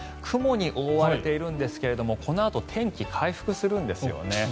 雲に覆われているんですがこのあと天気回復するんですよね。